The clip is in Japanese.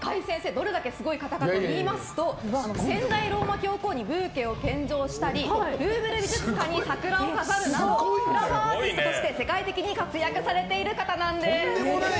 どれだけすごい方かといいますと先代ローマ教皇にブーケを献上したりルーブル美術館に桜を飾るなどフラワーアーティストとして世界的にとんでもない人なんですよ！